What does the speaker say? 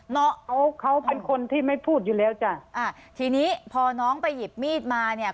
น้องเขาเขาเป็นคนที่ไม่พูดอยู่แล้วจ้ะอ่าทีนี้พอน้องไปหยิบมีดมาเนี่ย